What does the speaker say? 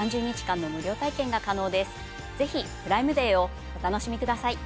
ぜひプライムデーをお楽しみください。